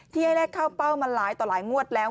ให้เลขเข้าเป้ามาหลายต่อหลายงวดแล้ว